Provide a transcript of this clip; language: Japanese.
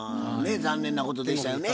残念なことでしたよね。